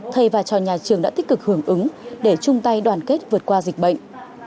thầy và cho nhà trường đã tích cực hưởng ứng để chung tay đoàn kết vượt qua dịch bệnh